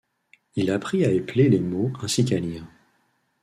Il apprit à épeler les mots ainsi qu'à lire.